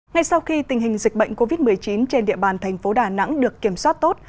ngay sau khi tình hình dịch bệnh covid một mươi chín trên địa bàn thành phố đà nẵng được kiểm soát tốt